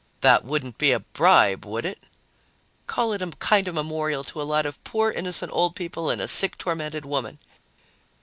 "That wouldn't be a bribe, would it?" "Call it a kind of memorial to a lot of poor, innocent old people and a sick, tormented woman."